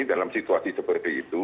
dalam situasi seperti itu